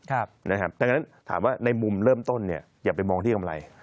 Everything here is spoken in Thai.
ดังนั้นถามว่าในมุมเริ่มต้นอย่าไปมองที่กำไร